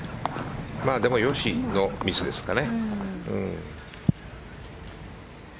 でも、よしのミスですかね。